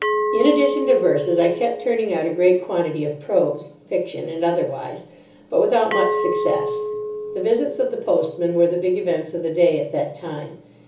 In addition to verses, I kept turning out a great quantity of prose, fiction, and otherwise, but without much success. The visits of the postmen were the big events of the day at that time.